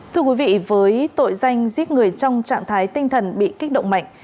thưa quý vị với tội danh giết người trong trạng thái tinh thần bị kích động mạnh